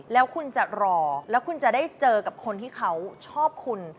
แล้วคุณจะรอแล้วคุณจะได้เจอกับคนที่เขาชอบคุณ